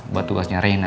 buat tugasnya reina